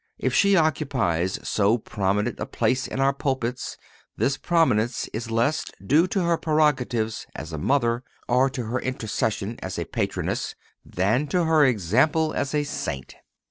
If she occupies so prominent a place in our pulpits, this prominence is less due to her prerogatives as a mother, or to her intercession as a patroness, than to her example as a Saint.